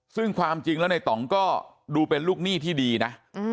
ซึ่งความจริงแล้วในต่องก็ดูเป็นลูกหนี้ที่ดีนะ